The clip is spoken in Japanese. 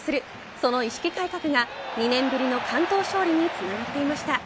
その意識改革が２年ぶりの完投勝利につながっていました。